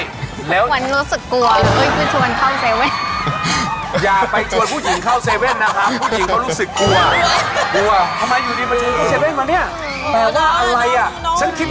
ไม่ค่ะไม่เอาไหม